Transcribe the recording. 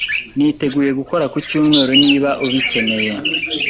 Niteguye gukora ku cyumweru niba ubikeneye.